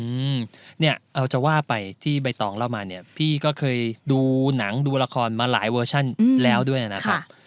อืมเนี่ยเอาจะว่าไปที่ใบตองเล่ามาเนี่ยพี่ก็เคยดูหนังดูละครมาหลายเวอร์ชันแล้วด้วยนะครับ